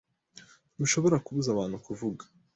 Ntushobora kubuza abantu kuvuga.